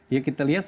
ya kita lihat